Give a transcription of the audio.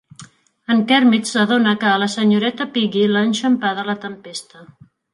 En Kermit s'adona que a la senyoreta Piggy l'ha enxampada la tempesta.